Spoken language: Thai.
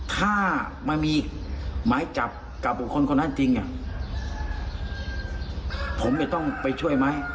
ถ้ามันมีหมายจับกับบุคคลคนนั้นจริงผมจะต้องไปช่วยไหม